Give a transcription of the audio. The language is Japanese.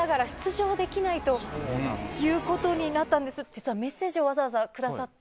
実はメッセージをわざわざくださって。